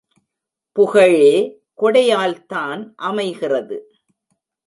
புகழே கொடையால்தான் அமைகிறது.